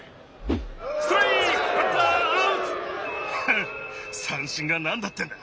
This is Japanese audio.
ふんっ三振が何だってんだ。